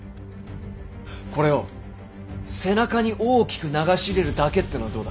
これを背中に大きく流し入れるだけってのはどうだ。